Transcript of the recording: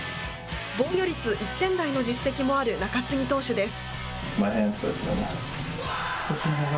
防御率１点台の実績もある中継ぎ投手です。